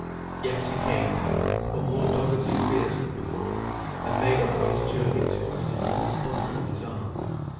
Yes, he came down, but more doggedly fierce than before, and made up for his journey, too; with his little bundle on his arm.